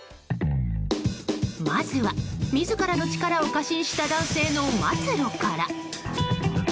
まずは、自らの力を過信した男性の末路から。